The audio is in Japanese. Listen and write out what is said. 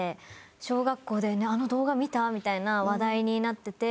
小学校であの動画見た？みたいな話題になってて。